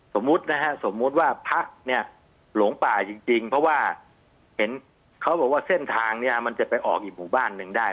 สมมุตินะฮะสมมุติว่าพักเนี่ยหลงป่าจริงเพราะว่าเห็นเขาบอกว่าเส้นทางเนี่ยมันจะไปออกอีกหมู่บ้านหนึ่งได้